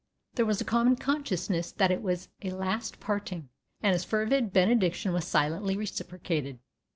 There was a common consciousness that it was a last parting, and his fervid benediction was silently reciprocated.